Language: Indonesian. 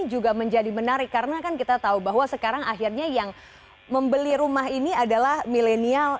juga menjadi menarik karena kan kita tahu bahwa sekarang akhirnya yang membeli rumah ini adalah milenial